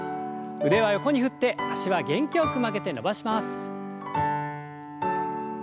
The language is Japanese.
腕は横に振って脚は元気よく曲げて伸ばします。